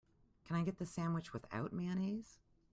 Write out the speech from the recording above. Can I get the sandwich without mayonnaise?